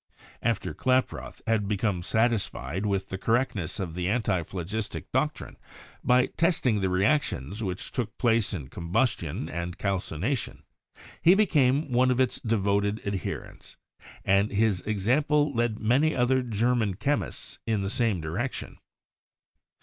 After Klaproth had become satisfied with the correctness of the antiphlogistic doctrine, by testing the reactions which took place in combustion and calcination, he became one of its devoted adherents; and his example led many other German chemists in the same direction.